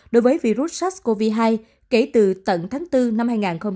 đối với virus sars cov hai kể từ tận tháng bốn năm hai nghìn hai mươi